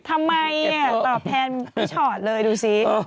ทำไมตอบแทนพี่ชอตเลยดูสิ